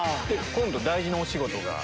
今度大事なお仕事が。